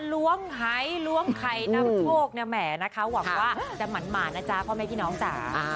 ล้วงไข่ล้วงไข่น้ำโภกแหมนะคะหวังว่าจะหมั่นนะจ๊ะพ่อแม่พี่น้องจ้ะ